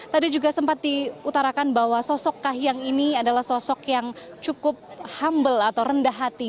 tadi juga sempat diutarakan bahwa sosok kahiyang ini adalah sosok yang cukup humble atau rendah hati